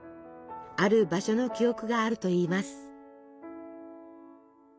ある場所の記憶があるといいます。